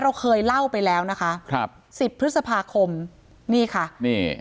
เราเคยเล่าไปแล้วนะคะครับสิบพฤษภาคมนี่ค่ะนี่